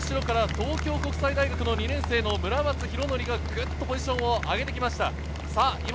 その後から東京国際の２年生・村松敬哲がグッとポジションを上げてきました。